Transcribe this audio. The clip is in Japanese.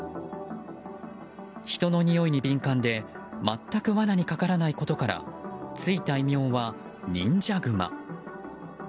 人のにおいに敏感で全く罠にかからないことからついた異名は忍者グマ。